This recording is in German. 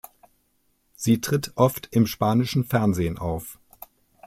Sie tritt oft im spanischen Fernsehen auf.